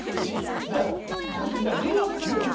じゃあこうしようじゃあ電話つなげよう。